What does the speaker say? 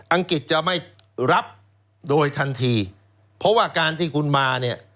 องกฤษจะไม่รับโดยทันทีเพราะว่าการที่คุณมาเนี่ย